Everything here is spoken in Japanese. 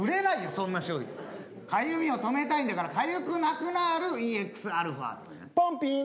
そんな商品かゆみを止めたいんだからかゆくなくなるＥＸアルファとかポンピン！